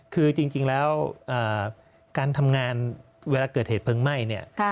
คือจริงแล้วการทำงานเวลาเกิดเหตุเพลิงไหม้เนี่ย